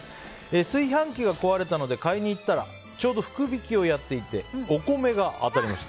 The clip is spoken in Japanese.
炊飯器が壊れたので買いに行ったらちょうど福引きをやっていてお米が当たりました。